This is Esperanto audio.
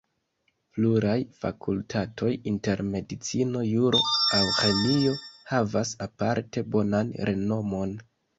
Pluraj fakultatoj, inter medicino, juro aŭ ĥemio, havas aparte bonan renomon.